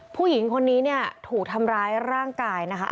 ผู้หญิงคนนี้ถูกทำร้ายร่างกายอาการสาหัส